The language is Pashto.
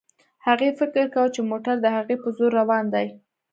هغې فکر کاوه چې موټر د هغې په زور روان دی.